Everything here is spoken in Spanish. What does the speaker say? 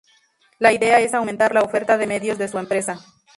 La idea es aumentar la oferta de medios de su empresa.